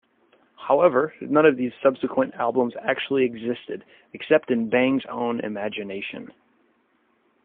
However, none of these subsequent albums actually existed except in Bangs' own imagination.